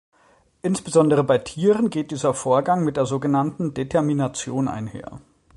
Insbesondere bei Tieren geht dieser Vorgang mit der sogenannten Determination einher.